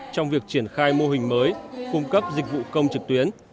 trong việc triển khai mô hình mới cung cấp dịch vụ công trực tuyến